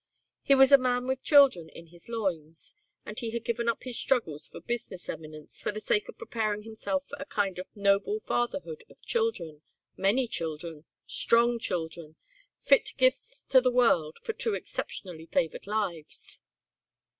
He was a man with children in his loins and he had given up his struggles for business eminence for the sake of preparing himself for a kind of noble fatherhood of children, many children, strong children, fit gifts to the world for two exceptionally favoured lives.